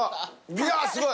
いやーすごい。